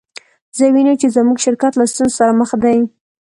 زه وینم چې زموږ شرکت له ستونزو سره مخ دی